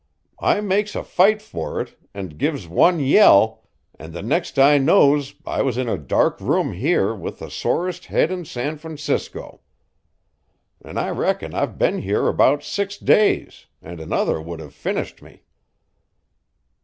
I makes a fight for it, and gives one yell, and the next I knows I was in a dark room here with the sorest head in San Francisco. An' I reckon I've been here about six days, and another would have finished me."